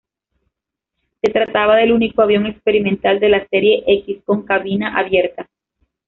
Se trataba del único avión experimental de la serie X con cabina abierta.